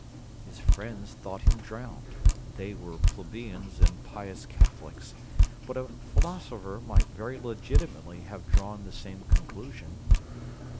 His friends thought him drowned; they were plebeians and pious Catholics; but a philosopher might very legitimately have drawn the same conclusion.